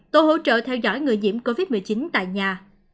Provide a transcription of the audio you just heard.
tổ hỗ trợ theo dõi người nhiễm covid một mươi chín tại nhà